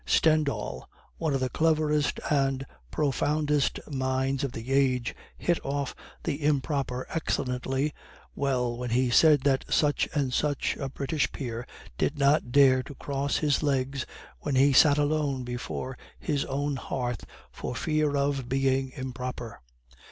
Stendhal, one of the cleverest and profoundest minds of the age, hit off the 'improper' excellently well when he said that such and such a British peer did not dare to cross his legs when he sat alone before his own hearth for fear of being improper.